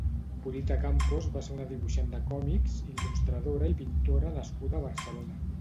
Purita Campos va ser una dibuixant de còmics, il·lustradora i pintora nascuda a Barcelona.